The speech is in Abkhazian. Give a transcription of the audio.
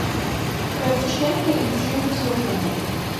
Кравченко ибжьы ҩҭыганы.